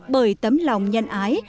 bởi tấm lòng nhân ái